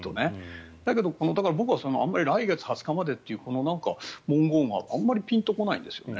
だけど、僕は来月２０日までっていうこの文言はあんまりピンと来ないんですよね。